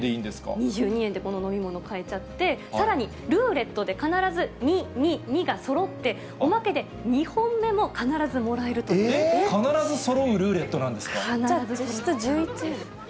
２２円でこの飲み物買えちゃって、さらに、ルーレットで必ず２・２・２がそろって、おまけで必ずそろうルーレットなんでじゃあ、実質１１円。